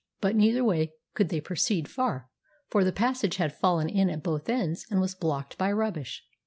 But neither way could they proceed far, for the passage had fallen in at both ends and was blocked by rubbish.